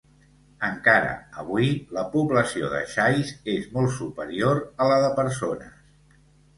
Encara avui, la població de xais és molt superior a la de persones.